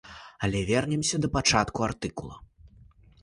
Але вернемся да пачатку артыкула.